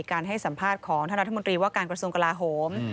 การให้สัมภาษณ์ของท่านรัฐมนตรีว่าการกระทรวงกลาโหม